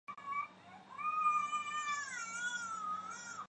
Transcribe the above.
塔鲁米林是巴西米纳斯吉拉斯州的一个市镇。